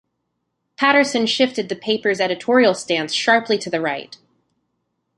Patterson shifted the papers' editorial stance sharply to the right.